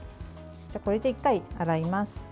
これで１回洗います。